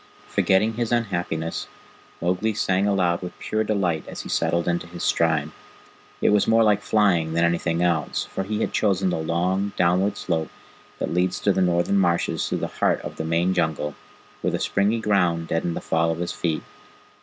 Forgetting his unhappiness, Mowgli sang aloud with pure delight as he settled into his stride. It was more like flying than anything else, for he had chosen the long downward slope that leads to the Northern Marshes through the heart of the main Jungle, where the springy ground deadened the fall of his feet.